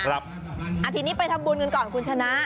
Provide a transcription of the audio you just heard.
อาทิตย์ไปทำบุญกันก่อนคุณชนะ